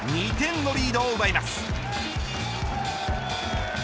２点のリードを奪います。